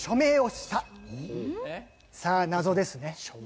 さあ謎ですね。